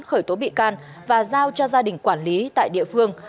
khởi tố bị can và giao cho gia đình quản lý tại địa phương